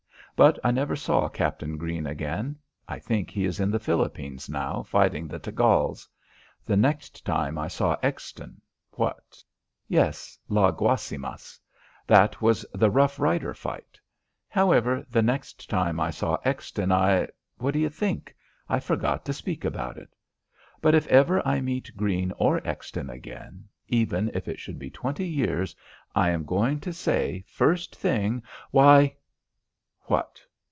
But I never saw Captain Greene again. I think he is in the Philippines now fighting the Tagals. The next time I saw Exton what? Yes, La Guasimas. That was the "rough rider fight." However, the next time I saw Exton I what do you think? I forgot to speak about it. But if ever I meet Greene or Exton again even if it should be twenty years I am going to say, first thing: "Why " What?